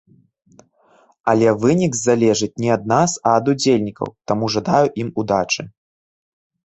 Але вынік залежыць не ад нас, а ад удзельнікаў, таму жадаю ім удачы!